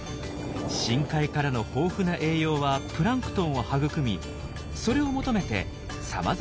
深海からの豊富な栄養はプランクトンを育みそれを求めてさまざ